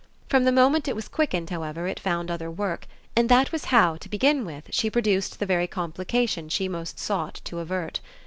From the moment it was quickened, however, it found other work, and that was how, to begin with, she produced the very complication she most sought to avert.